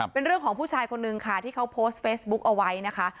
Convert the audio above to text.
เป็นเรื่องของผู้ชายคนนึงค่ะที่เขาโพสต์เฟซบุ๊กเอาไว้นะคะ